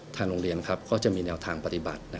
ทางโรงเรียนก็จะมีแนวทางปฏิบัติ